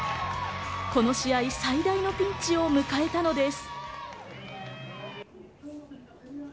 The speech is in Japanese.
この試合最大のピンチを迎えたのです。